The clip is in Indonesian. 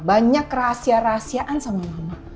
banyak rahasia rahasiaan sama mama